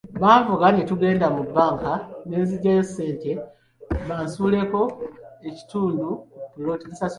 Banvuga ne tugenda mu bbanka ne nzigyayo ssente mbasasuleko ekitundu ku ppoloti.